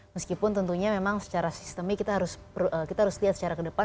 meskipun tentunya memang secara sistemik kita harus lihat secara ke depan